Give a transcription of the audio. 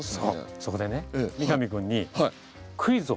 そこでね三上君にクイズを。